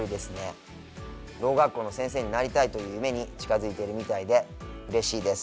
ろう学校の先生になりたいという夢に近づいてるみたいでうれしいです。